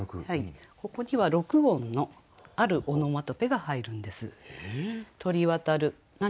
ここには６音のあるオノマトペが入るんです。